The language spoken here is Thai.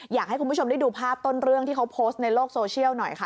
อยากให้คุณผู้ชมได้ดูภาพต้นเรื่องที่เขาโพสต์ในโลกโซเชียลหน่อยค่ะ